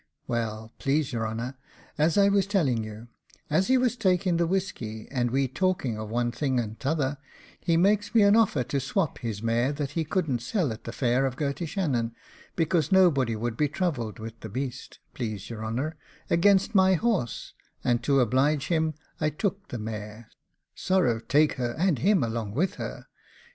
Well, please your honour, as I was telling you, as he was taking the whisky, and we talking of one thing or t'other, he makes me an offer to swop his mare that he couldn't sell at the fair of Gurtishannon, because nobody would be troubled with the beast, please your honour, against my horse, and to oblige him I took the mare sorrow take her! and him along with her!